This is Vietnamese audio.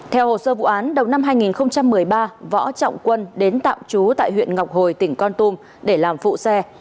theo hồ sơ vụ án đầu năm hai nghìn một mươi ba võ trọng quân đến tạm trú tại huyện ngọc hồi tỉnh con tum để làm phụ xe